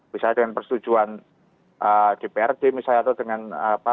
misalnya dengan persetujuan dprd misalnya atau dengan apa